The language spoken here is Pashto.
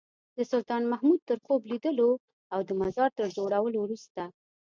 د سلطان محمود تر خوب لیدلو او د مزار تر جوړولو وروسته.